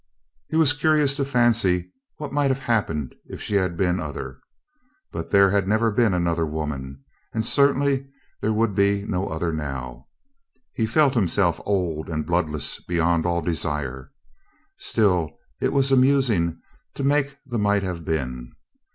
He was curious to fancy what might have hap pened if she had been other. But there had never been another woman and certainly there would be no other now. He felt himself old and bloodless beyond all desire. Still, it was amusing to make the might have been.